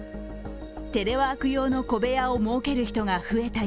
テレワーク用の小部屋を設ける人が増えた